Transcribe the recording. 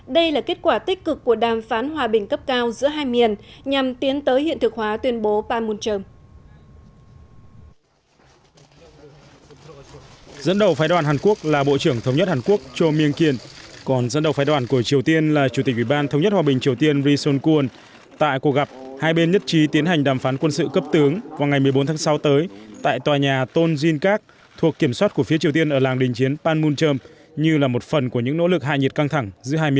đây là kết quả tích cực của đàm phán hòa bình cấp cao giữa hai miền nhằm tiến tới hiện thực hóa tuyên bố panmunjom